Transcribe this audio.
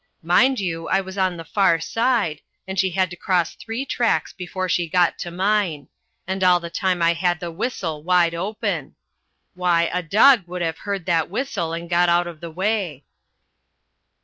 Mind you, I was on the far side, and she had to cross three tracks before she got to mine. And all the time I had the whistle wide open. Why, a dog would have heard that whistle and got out o' the way."